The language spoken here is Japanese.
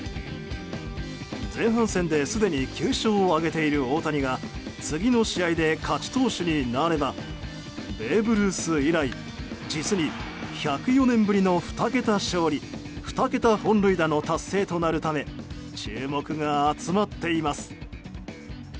前半戦ですでに９勝を挙げている大谷が次の試合で勝ち投手になればベーブ・ルース以来実に１０４年ぶりの２桁勝利２桁本塁打の達成となるため注目が集まっています。